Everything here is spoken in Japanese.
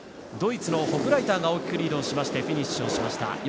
ドイツのホフライターが大きくリードをしてフィニッシュしました。